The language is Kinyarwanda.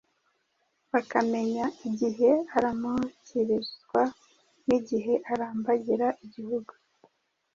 bakamenya igihe aramukirizwa n’igihe arambagira igihugu,